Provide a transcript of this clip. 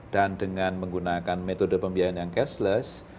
dan dengan menggunakan metode pembiayaan yang cashless